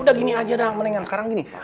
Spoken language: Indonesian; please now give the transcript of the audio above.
udah gini aja dah mendingan sekarang gini